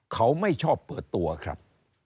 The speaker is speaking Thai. เขาไม่ชอบเปิดตัวครับ